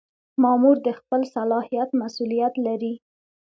مامور د خپل صلاحیت مسؤلیت لري.